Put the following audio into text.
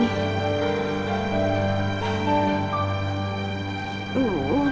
aduh sampai kapan ya kayak gini